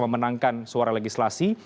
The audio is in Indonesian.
memenangkan suara legislasi